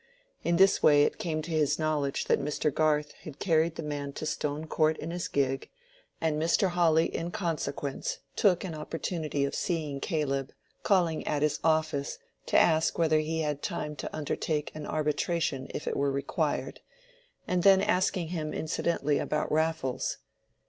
In this way it came to his knowledge that Mr. Garth had carried the man to Stone Court in his gig; and Mr. Hawley in consequence took an opportunity of seeing Caleb, calling at his office to ask whether he had time to undertake an arbitration if it were required, and then asking him incidentally about Raffles.